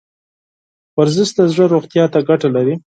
ورزش د زړه روغتیا ته ګټه لري.